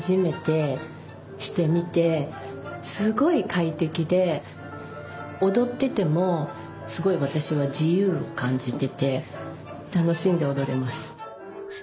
本当に踊っててもすごい私は自由を感じてて楽しんで踊れます。